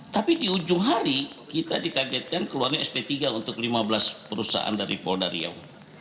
tapi di ujung hari kita dikagetkan keluarnya sp tiga untuk lima belas perusahaan dari polda riau